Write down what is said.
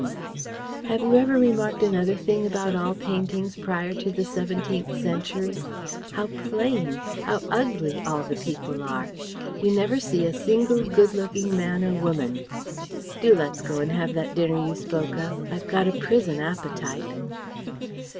And have you ever remarked another thing about all paintings prior to the seventeenth century: how plain, how ugly all the people are? You never see a single good looking man or woman. Do let's go and have that dinner you spoke of. I've got a prison appetite."